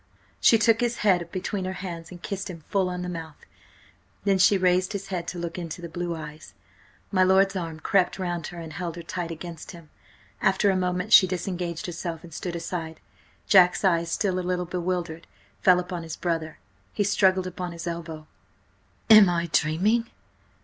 She took his head between her hands and kissed him full on the mouth. Then she raised his head to look into the blue eyes. My lord's arm crept round her and held her tight against him. After a moment she disengaged herself and stood aside. Jack's eyes, still a little bewildered, fell upon his brother. He struggled up on his elbow. "Am I dreaming?